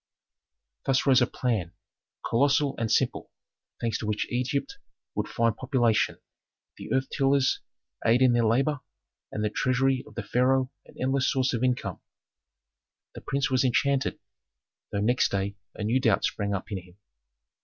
Thus rose a plan, colossal and simple, thanks to which Egypt would find population, the earth tillers aid in their labor, and the treasury of the pharaoh an endless source of income. The prince was enchanted, though next day a new doubt sprang up in him.